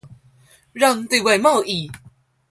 讓對外貿易